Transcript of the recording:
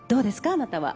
あなたは。